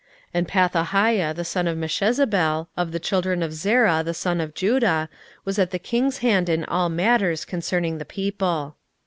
16:011:024 And Pethahiah the son of Meshezabeel, of the children of Zerah the son of Judah, was at the king's hand in all matters concerning the people.